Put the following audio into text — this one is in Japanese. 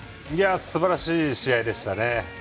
すばらしい試合でしたね。